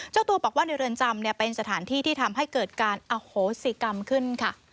เจ้าตัวบอกว่าในเรือนจำเป็นสถานที่ที่ทำให้เกิดการอโหสิกรรมขึ้นค่ะ